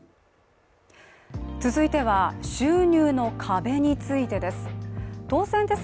続いては収入の壁についてです。